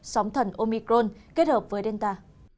sóng thần omicron kết hợp với delta